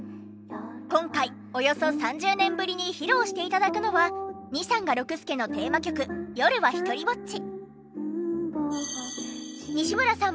今回およそ３０年ぶりに披露して頂くのは『２×３が六輔』のテーマ曲『夜はひとりぼっち』。